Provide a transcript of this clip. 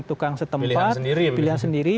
tukang setempat pilihan sendiri